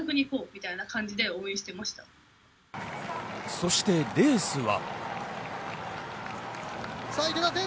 そしてレースは。